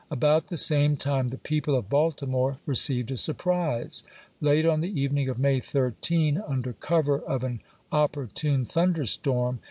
About the same time the people of Baltimore received a surprise. Late on the even ing of May 13, under cover of an opportune • thunder storm.